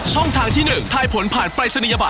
ช่องทางที่๑ทายผลผ่านปรายศนียบัต